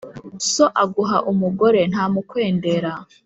So aguha umugore ntamukwendera.